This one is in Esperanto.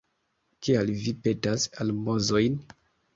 Kial vi petas almozojn?